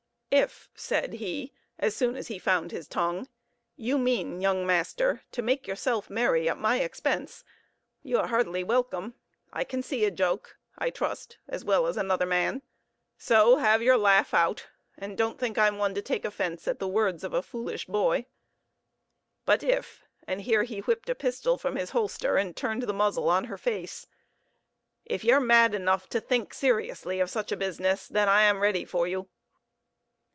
"If," said he, as soon as he found his tongue, "you mean, young master, to make yourself merry at my expense, you are heartily welcome. I can see a joke, I trust, as well as another man; so have your laugh out, and don't think I'm one to take offence at the words of a foolish boy. But if," and here he whipped a pistol from his holster and turned the muzzle on her face "if y'are mad enough to think seriously of such a business, then I am ready for you."